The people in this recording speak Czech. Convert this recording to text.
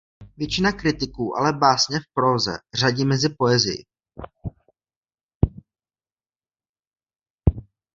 Většina kritiků ale básně v próze řadí mezi poezii.